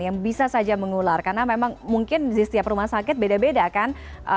yang bisa saja mengular karena memang mungkin di setiap rumah sakit beda beda kan